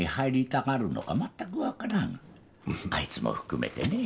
あいつも含めてね。